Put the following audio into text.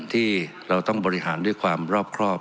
ที่เราต้องบริหารด้วยความรอบครอบ